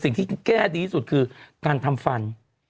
สิ่งที่แก้ดีที่สุดคือการทำฟัน